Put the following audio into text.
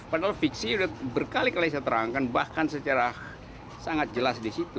padahal fiksi sudah berkali kali saya terangkan bahkan secara sangat jelas di situ